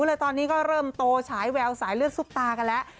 เลยตอนนี้ก็เริ่มโตฉายแววสายเลือดซุปตากันแล้ว